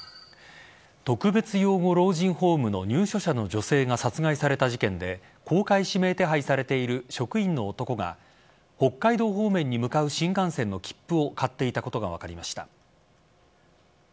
特別養護老人ホームの入所者の女性が殺害された事件で公開指名手配されている職員の男が北海道方面に向かう新幹線の切符を買っていたことが分かりました。